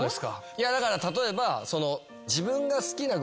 いやだから例えば。